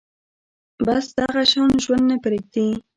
بس دغه شان ژوند نه پرېږدي